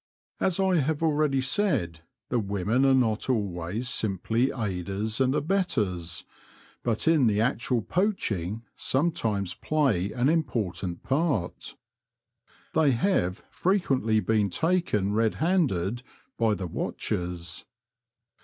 As I have already said, the women are not always simply aiders and abettors, but in the actual poaching sometimes play an important part. They have frequently been taken red handed by the watchers.